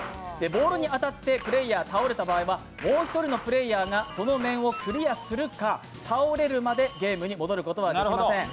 ボールに当たってプレーヤーが倒れた場合はもう１人のプレイヤーがその面をクリアするか倒れるまでゲームに戻ることはできません。